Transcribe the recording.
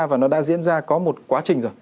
và nó đã diễn ra có một quá trình rồi